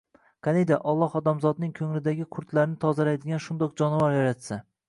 Qaniydi, Olloh odamzotning ko’nglidagi qurtlarni tozalaydigan shundoq jonivor yaratsa.